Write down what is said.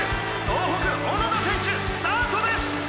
総北小野田選手スタートです！